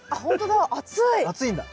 暑いんだ。